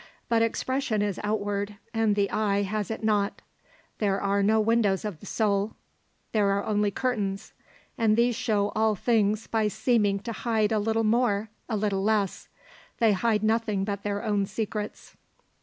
But expression is outward, and the eye has it not. There are no windows of the soul, there are only curtains; and these show all things by seeming to hide a little more, a little less. They hide nothing but their own secrets.